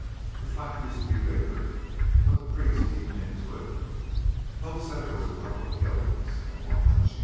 The flat used to be bigger, but the creek's eaten into it. Poppe said they was a couple of killin's an' one lynchin'."